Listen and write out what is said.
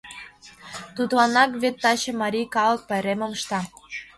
— Тудланак вет таче марий калык пайремым ышта!